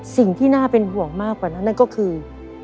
สิ่งที่น่าเป็นห่วงมากกว่านั้นนั่นก็คือ